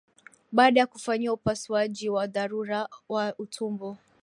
baada ya kufanyiwa upasuaji wa dharura wa utumbo